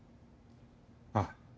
ああ。